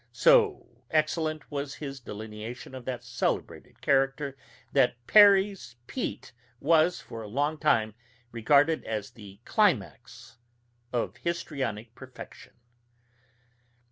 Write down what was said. So excellent was his delineation of that celebrated character that "Perry's Pete" was for a long time regarded as the climax of histrionic perfection.